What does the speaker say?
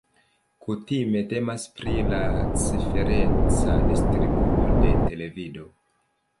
Kutime temas pri la cifereca distribuo de televido.